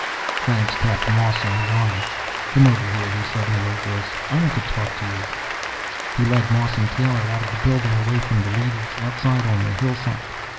Franks tapped Moss on the arm. "Come over here," he said in a low voice. "I want to talk to you." He led Moss and Taylor out of the building, away from the leadys, outside on the hillside.